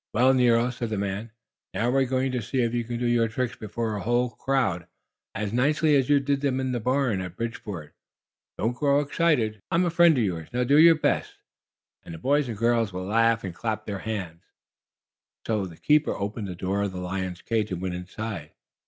"Well, Nero," said the man, "now we're going to see if you can do your tricks before a whole crowd, as nicely as you did them in the barn at Bridgeport. Don't grow excited. You know I'm a friend of yours. Now do your best, and the boys and girls will laugh and clap their hands." So the keeper opened the door of the lion's cage and went inside.